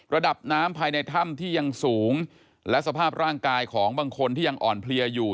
ระดับน้ำภายในถ้ำที่ยังสูงและสภาพร่างกายของบางคนที่ยังอ่อนเพลียอยู่